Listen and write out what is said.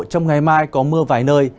trong ngày mai có mưa vài nơi